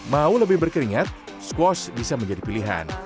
mau lebih berkeringat squash bisa menjadi pilihan